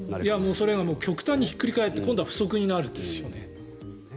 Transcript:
それが極端にひっくり返って今度は不足になるんですよね。